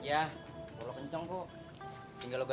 kita bilang ke mek bruce